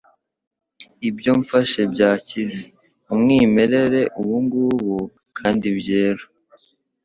Ibyo mfashe byakize, umwimerere ubungubu, kandi byera ...